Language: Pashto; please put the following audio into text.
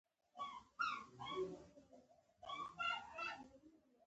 دوي به وائي اے مومنه!